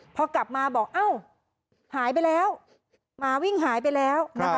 พอกลับมาบอกเอ้าหายไปแล้วหมาวิ่งหายไปแล้วนะคะ